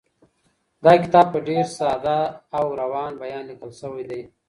دا کتاب په ډېر ساده او روان بېان ليکل شوی دی.